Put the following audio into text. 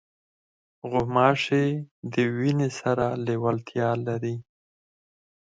غوماشې د وینې سره لیوالتیا لري.